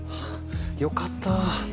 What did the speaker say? よかった。